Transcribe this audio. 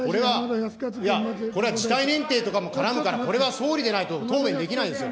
これは事態認定とかも絡むから、これは総理でないと答弁できないですよ。